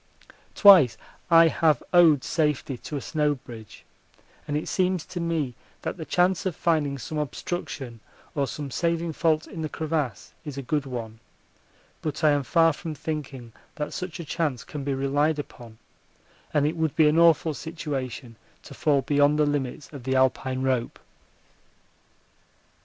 Twice I have owed safety to a snow bridge, and it seems to me that the chance of finding some obstruction or some saving fault in the crevasse is a good one, but I am far from thinking that such a chance can be relied upon, and it would be an awful situation to fall beyond the limits of the Alpine rope.